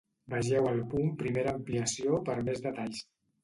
Vegeu el punt Primera Ampliació per més detalls.